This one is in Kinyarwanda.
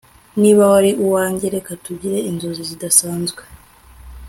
Niba wari uwanjye reka tugire inzozi zidasanzwe